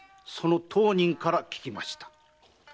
その当人から聞きました。